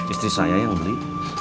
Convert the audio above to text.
istri saya yang beli